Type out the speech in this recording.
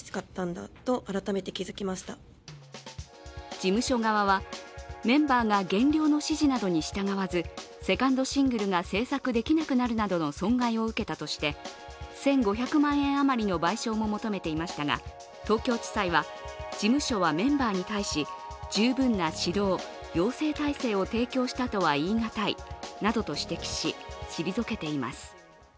事務所側は、メンバーが減量の指示などに従わず、セカンドシングルが制作できなくなるなどの損害を受けたとして１５００万円余りの賠償も求めていましたが東京地裁は、事務所はメンバーに対し、十分な指導、養成態勢を提供したとは言いがたいなどと指摘し、退けています。